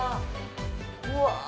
うわ。